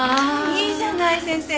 いいじゃない先生。